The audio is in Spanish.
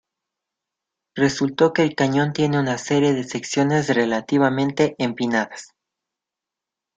Resultó que el cañón tiene una serie de secciones relativamente empinadas.